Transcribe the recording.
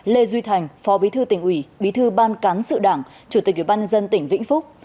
lê duy thành phó bí thư tỉnh ủy bí thư ban cán sự đảng chủ tịch ủy ban nhân dân tỉnh vĩnh phúc